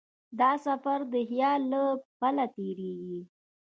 دا سفر د خیال له پله تېرېږي.